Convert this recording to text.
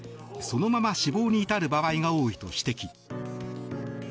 そのまま死亡に至る場合が多いと指摘。